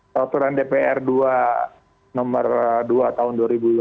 peraturan dpr nomor dua tahun dua ribu dua puluh